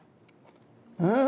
うん。